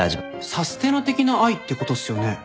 サステナ的な愛ってことっすよね？